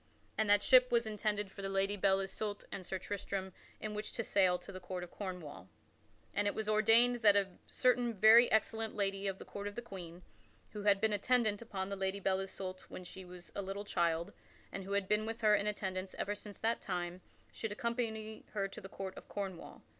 And that ship was intended for the Lady Belle Isoult and Sir Tristram in which to sail to the court of Cornwall. And it was ordained that a certain very excellent lady of the court of the Queen, who had been attendant upon the Lady Belle Isoult when she was a little child and who had been with her in attendance ever since that time, should accompany her to the Court of Cornwall.